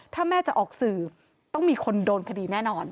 ถ้าแม่จะออกสื่อต้องมีคนโดนคดีแน่นอน